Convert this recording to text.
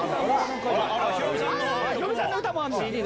ヒロミさんの歌もあるんだ。